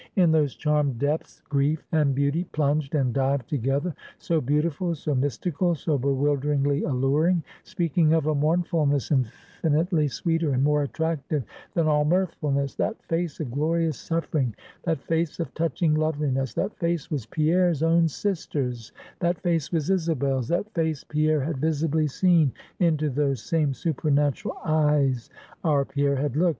In those charmed depths, Grief and Beauty plunged and dived together. So beautiful, so mystical, so bewilderingly alluring; speaking of a mournfulness infinitely sweeter and more attractive than all mirthfulness; that face of glorious suffering; that face of touching loveliness; that face was Pierre's own sister's; that face was Isabel's; that face Pierre had visibly seen; into those same supernatural eyes our Pierre had looked.